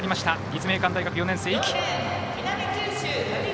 立命館大学４年生、壹岐。